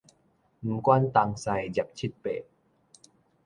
毋管東西廿七八